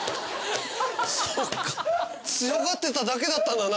そっか強がってただけだったんだな。